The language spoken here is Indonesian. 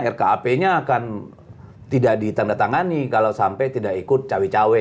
rkap nya akan tidak ditandatangani kalau sampai tidak ikut cawe cawe